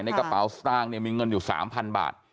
กระเป๋าสตางค์เนี่ยมีเงินอยู่๓๐๐บาท